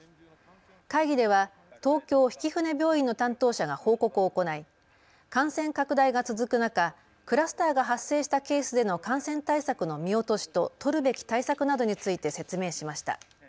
会議では東京曳舟病院の担当者が報告を行い、感染拡大が続く中、クラスターが発生したケースでの感染対策の見落としと取るべき対策などについて説明しました。